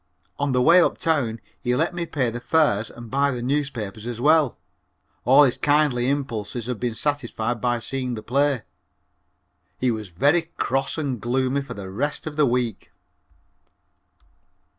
On the way uptown he let me pay the fares and buy the newspapers as well. All his kindly impulses had been satisfied by seeing the play. He was very cross and gloomy for the rest of the week.